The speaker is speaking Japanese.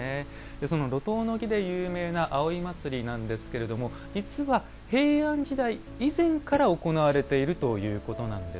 その路頭の儀で有名な葵祭なんですけれども実は平安時代以前から行われているということなんです。